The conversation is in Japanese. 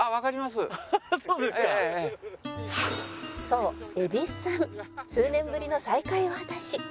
「そう蛭子さん」「数年ぶりの再会を果たし」